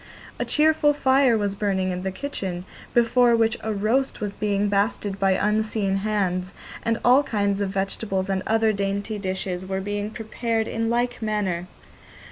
A cheerful fire was burning in the kitchen, before which a roast was being basted by unseen hands, and all kinds of vegetables and other dainty dishes were being prepared in like manner.